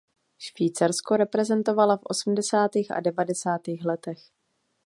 Švýcarsko reprezentovala v osmdesátých a devadesátých letech.